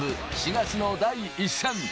４月の第一戦。